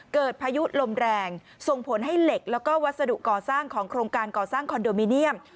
พายุลมแรงส่งผลให้เหล็กแล้วก็วัสดุก่อสร้างของโครงการก่อสร้างคอนโดมิเนียม